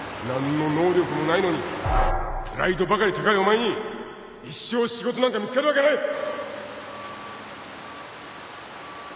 何の能力もないのにプライドばかり高いお前に一生仕事なんか見つかるわけない